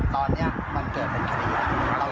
อ่อตอนนี้มันเกิดเป็นใครอ่ะ